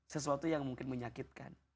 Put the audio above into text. sesuatu yang mungkin menyakitkan